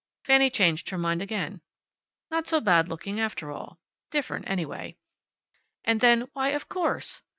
Fanny changed her mind again. Not so bad looking, after all. Different, anyway. And then why, of course!